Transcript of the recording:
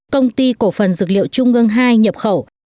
công ty cổ phần dược liệu trung ngân hai nhập khẩu